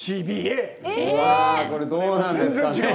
これどうなんですかね。